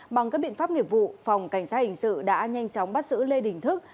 bằng các biện pháp nghiệp vụ phòng cảnh sát hình sự đã nhanh chóng bắt xử lê đình thức